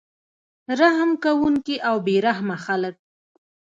رحم کوونکي او بې رحمه خلک